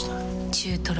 中トロ。